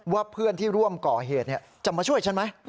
ว่าเพื่อนที่ร่วมก่อเหตุจะมาช่วยฉันไหม